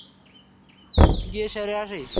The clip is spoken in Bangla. গিয়ে সেরে আসি।